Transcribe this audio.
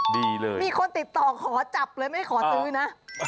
ดีเลยมีคนติดต่อขอจับเลยไม่ขอซื้อนะ